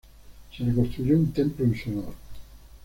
Se le construyó un templo en su honor.